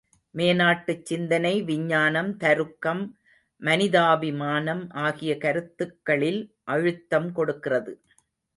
மேநாட்டுச் சிந்தனை விஞ்ஞானம், தருக்கம், மனிதாபிமானம் ஆகிய கருத்துக்களில் அழுத்தம் கொடுக்கிறது.